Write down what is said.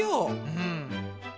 うん。